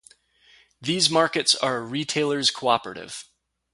These markets are a retailers' cooperative.